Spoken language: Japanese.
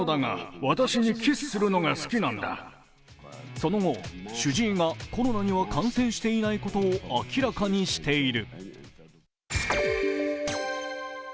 その後、主治医がコロナには感染していないことを明らかにしている。